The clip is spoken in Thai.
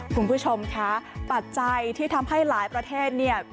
คุณผู้ชมคะปัจจัยที่ทำให้หลายประเทศเนี่ย